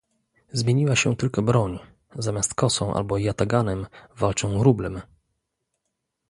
"Zmieniła się tylko broń: zamiast kosą, albo jataganem walczą rublem."